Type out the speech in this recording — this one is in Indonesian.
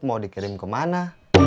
mau dikirim ke mana